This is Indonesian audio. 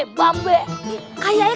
siapa yang ini